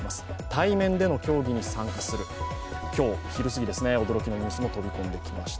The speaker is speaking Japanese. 対面での協議に参加する、今日、昼過ぎ、驚きのニュースが飛び込んできました。